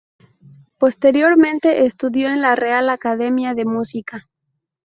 Posteriormente estudió en la Real Academia de Música.